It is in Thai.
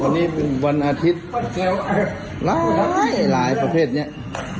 วันนี้วันอาทิตย์หลายหลายประเภทนะ